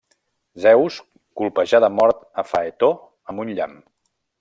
Zeus colpejà de mort a Faetó amb un llamp.